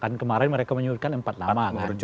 kan kemarin mereka menyebutkan empat nama